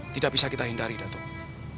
tidak bisa kita hindari datang